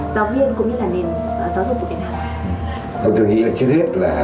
về bất ổn tâm lý cho giáo viên cũng như là nền giáo dục của việt nam